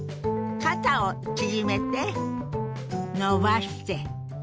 肩を縮めて伸ばして。